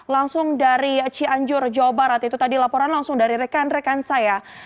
langsung dari cianjur jawa barat itu tadi laporan langsung dari rekan rekan saya